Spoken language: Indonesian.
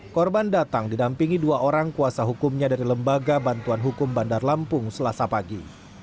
korban datang didampingi dua orang kuasa hukumnya dari lembaga bantuan hukum bandar lampung selasa pagi